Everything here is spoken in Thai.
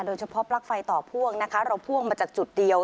โดยเฉพาะปลั๊กไฟต่อพ่วงนะคะเราพ่วงมาจากจุดเดียว